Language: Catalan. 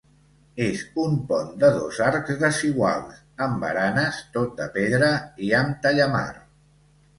És un pont de dos arcs desiguals, amb baranes, tot de pedra i amb tallamar.